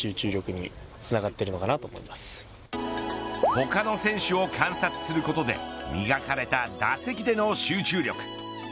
他の選手を観察することで磨かれた、打席での集中力。